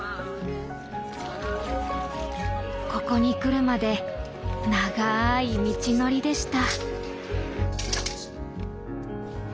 ここに来るまで長い道のりでした。